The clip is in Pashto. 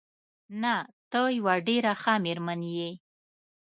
نه، ته یوه ډېره ښه مېرمن یې.